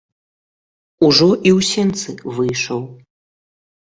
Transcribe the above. Ужо і ў сенцы выйшаў.